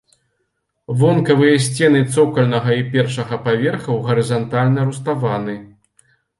Вонкавыя сцены цокальнага і першага паверхаў гарызантальна руставаны.